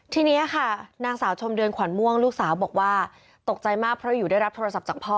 ทีนี้ค่ะนางสาวชมเดือนขวัญม่วงลูกสาวบอกว่าตกใจมากเพราะอยู่ได้รับโทรศัพท์จากพ่อ